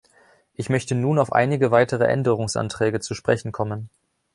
Ich möchte nun auf einige weitere Änderungsanträge zu sprechen kommen.